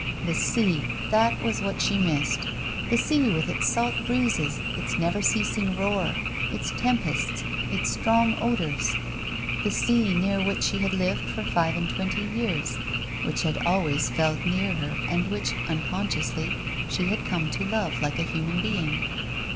The sea ! That was what she missed. The sea with its salt breezes, its never ceasing roar, its tempests, its strong odours, the sea, near which she had lived for five and twenty years, which she had always felt near her and which, unconsciously, she had come to love like a human being.